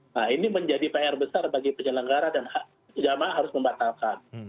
nah ini menjadi pr besar bagi penyelenggara dan jamaah harus membatalkan